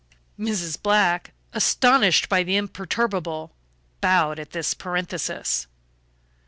Mrs. Black, astonished but imperturbable, bowed at this parenthesis.